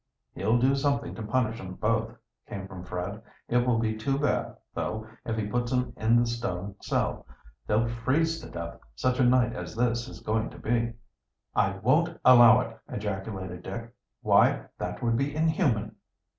"He'll do something to punish 'em both," came from Fred. "It will be too bad, though, if he puts 'em in the stone cell. They'll freeze to death such a night as this is going to be." "I won't allow it," ejaculated Dick. "Why, that would be inhuman!"